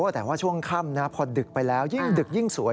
แต่ว่าช่วงค่ำพอดึกไปแล้วยิ่งดึกยิ่งสวย